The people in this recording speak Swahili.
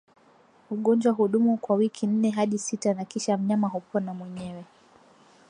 Ugonjwa hudumu kwa wiki nne hadi sita na kisha mnyama hupona mwenyewe